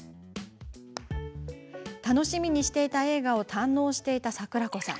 楽しみにしていた映画を堪能していた櫻子さん。